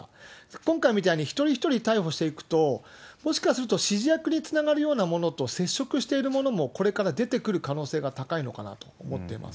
今回みたいに１人１人逮捕していくと、もしかすると指示役につながるようなものと接触しているものも、これから出てくる可能性が高いのかなと思っています。